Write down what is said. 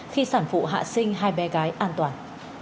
khi sản phụ hạ sinh hai bé gái an toàn